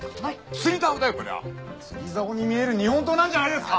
釣り竿に見える日本刀なんじゃないですか？